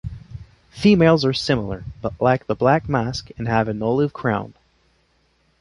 Females are similar, but lack the black mask and have an olive crown.